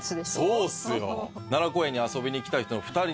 そうですよ。